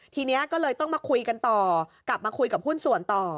ทีนี้ก็เลยต้องมาคุยกันต่อกลับมาคุยกับหุ้นส่วนต่อ